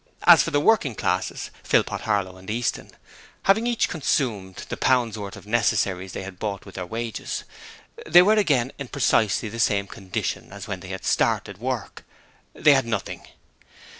As for the working classes, Philpot, Harlow and Easton, having each consumed the pound's worth of necessaries they had bought with their wages, they were again in precisely the same condition as when they started work they had nothing.